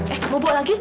eh mau bawa lagi